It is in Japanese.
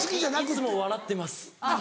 いつも笑ってます。